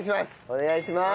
お願いします！